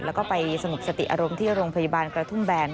แล้วก็ไปสงบสติอารมณ์ที่โรงพยาบาลกระทุ่มแบน